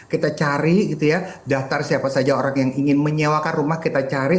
kita cari daftar siapa saja orang yang ingin menyewakan rumah kita cari